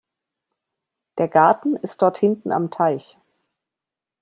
Der Garten ist dort hinten am Teich.